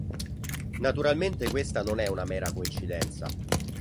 Naturalmente questa non è una mera coincidenza.